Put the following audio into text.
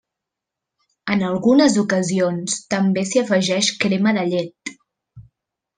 En algunes ocasions, també s'hi afegeix crema de llet.